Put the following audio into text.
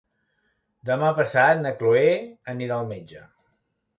Demà passat na Chloé anirà al metge.